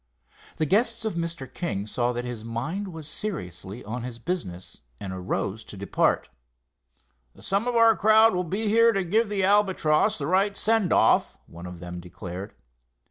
The guests of Mr. King saw that his mind was seriously on his business, and arose to depart. "Some of our crowd will be here to give the Albatross the right send off," one of them declared.